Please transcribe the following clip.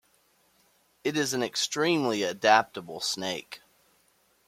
It is an extremely adaptable snake.